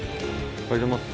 おはようございます。